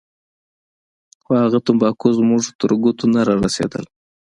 خو هغه تمباکو زموږ تر ګوتو نه راورسېدل.